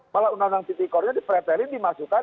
malah undang undang tipikornya dipretelin dimasukkan